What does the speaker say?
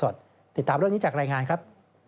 ติดตามเรื่องนี้จากรายงานครับ